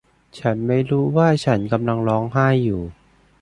ฉันไม่รู้ว่าฉันกำลังร้องไห้อยู่